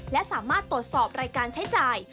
และสามารถตรวจสอบรายการใช้จ่าย